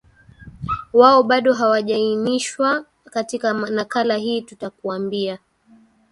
wao bado hawajainishwa Katika nakala hii tutakuambia